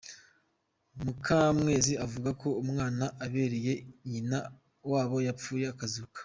Mukamwezi avuga uko umwana abereye nyina wabo yapfuye akazuka.